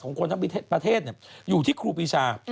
ของคนทั้งประเทศเนี่ยอยู่ที่ครูปีชา